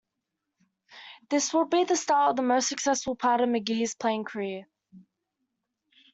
This would be the start of the most successful part of McGhee's playing career.